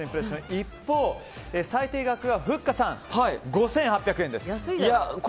一方、最低額がふっかさん、５８００円です。